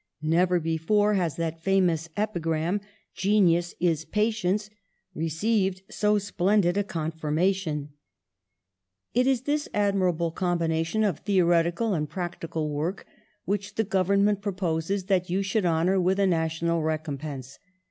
Never before has that famous epigram, 'Genius is patience/ received so splendid a confirmation. 118 PASTEUR ^^It is this admirable combination of theoreti cal and practical work which the Government proposes that you should honour with a na tional recompense.